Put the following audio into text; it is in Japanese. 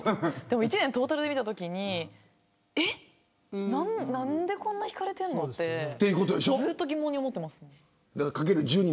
１年トータルで見たときに何でこんなに引かれてるのってずっと疑問に思ってます。